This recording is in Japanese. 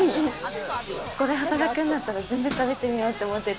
働くんだったら全部食べてみようって思ってて。